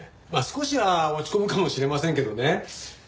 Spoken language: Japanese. まあ少しは落ち込むかもしれませんけどね。